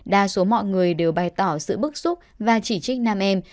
đa số mọi người đều bày tỏ sự bức xúc và chỉ trích nam em